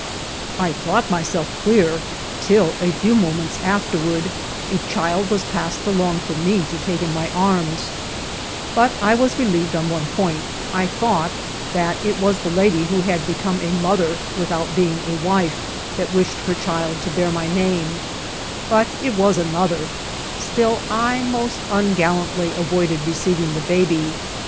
I thought myself clear, till, a few moments afterward, a child was passed along for me to take in my arms ; but I was relieved on one point : I thought that it was the lady who had become a mother without being a wife, that wished her child to bear my name, but it was another ; still I most un gallantly avoided receiving the baby.